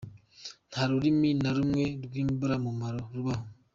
Nta rurimi na rumwe rw’imburamumaro rubaho".